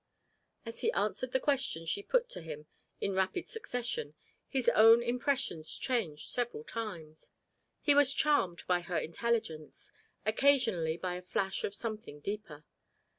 As he answered the questions she put to him in rapid succession, his own impressions changed several times. He was charmed by her intelligence, occasionally by a flash of something deeper.